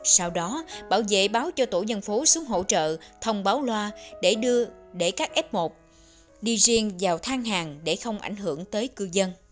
sau đó bảo vệ báo cho tổ dân phố xuống hỗ trợ thông báo loa để đưa các f một đi riêng vào thang hàng